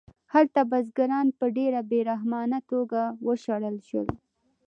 هلته بزګران په ډېره بې رحمانه توګه وشړل شول